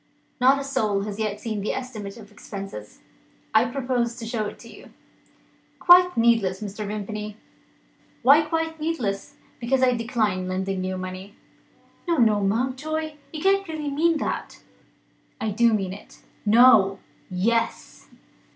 Not a soul has yet seen the estimate of expenses. I propose to show it to You." "Quite needless, Mr. Vimpany." "Why quite needless?" "Because I decline lending you the money." "No, no, Mountjoy! You can't really mean that?" "I do mean it." "No!" "Yes!"